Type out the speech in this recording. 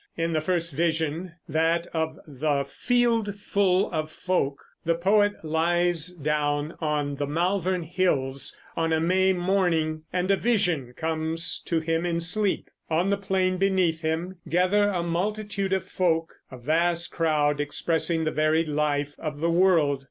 In the first vision, that of the "Field Full of Folk," the poet lies down on the Malvern Hills on a May morning, and a vision comes to him in sleep. On the plain beneath him gather a multitude of folk, a vast crowd expressing the varied life of the world.